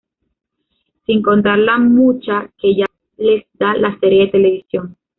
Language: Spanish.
Sin contar la mucha que ya les da la serie de televisión